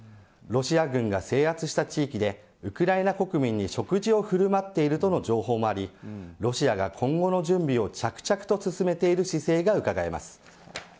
ロシア軍が制圧した地域でウクライナ国民に食事を振る舞っているという情報もありロシアが今後の準備を着々と進めている姿勢がうかがえます。